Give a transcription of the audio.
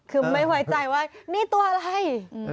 คือไม่ไว้ใจว่านี่ตัวอะไร